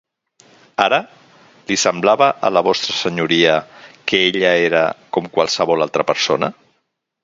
Ara, li semblava a la vostra Senyoria que ella era com qualsevol altra persona?